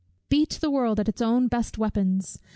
Beat the world at its own best weapons.